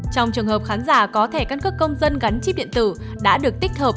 trong trường hợp khán giả có thẻ căn cước công dân gắn chip điện tử đã được tích hợp